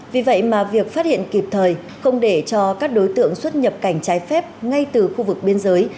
vì vậy mà việc phát hiện kịp thời không để cho các đối tượng xuất nhập cảnh trái phép ngay từ khu vực biên giới